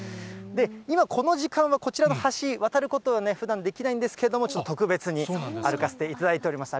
今、この時間はこちらの橋、渡ることはね、ふだんできないんですけれども、特別に歩かせていただいております。